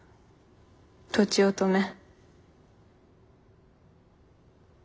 とちおとめ。